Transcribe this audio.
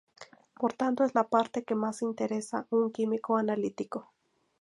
Por tanto es la parte que más interesa a un químico analítico.